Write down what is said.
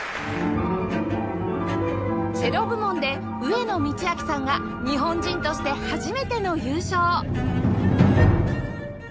チェロ部門で上野通明さんが日本人として初めての優勝